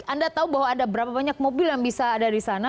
anda tahu bahwa ada berapa banyak mobil yang bisa ada di sana